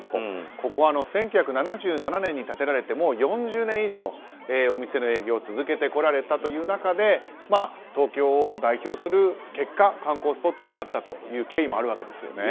ここは１９７７年に建てられて４０年以上お店の営業を続けてこられたという中で東京を代表する結果、観光スポットになったという経緯もあるわけですよね。